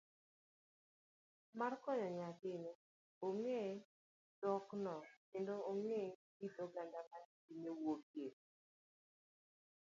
mar konyo nyathine ong'e dhokno kendo ng'eyo kit oganda ma nyathine wuokie.